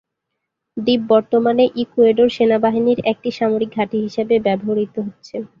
দ্বীপ বর্তমানে ইকুয়েডর সেনাবাহিনীর একটি সামরিক ঘাঁটি হিসেবে ব্যবহৃত হচ্ছে।